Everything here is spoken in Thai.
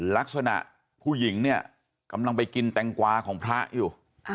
ลักษณะผู้หญิงเนี่ยกำลังไปกินแตงกวาของพระอยู่